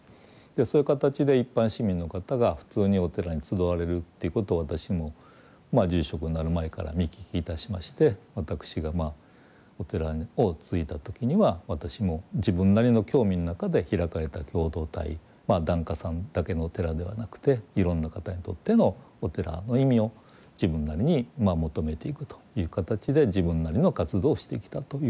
そういう形で一般市民の方が普通にお寺に集われるっていうことを私も住職になる前から見聞きいたしまして私がお寺を継いだ時には私も自分なりの興味の中で開かれた共同体檀家さんだけのお寺ではなくていろんな方にとってのお寺の意味を自分なりに求めていくという形で自分なりの活動をしてきたという。